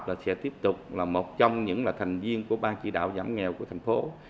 là sẽ tiếp tục là một trong những là thành viên của ban chỉ đạo giảm nghèo của thành phố